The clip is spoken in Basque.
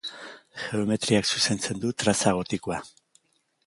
Geometriak zuzentzen du traza gotikoa.